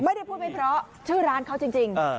ไม่ได้พูดไม่เพราะชื่อร้านเขาจริง